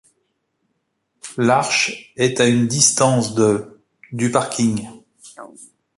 L'arche est à une distance de du parking.